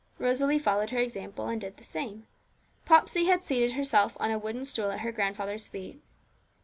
Rosalie followed her example and did the same. Popsey had seated herself on a wooden stool at her grandfather's feet.